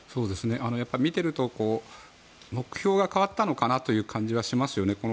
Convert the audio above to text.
やっぱり、見ていると目標が変わったのかなという感じはしますよね。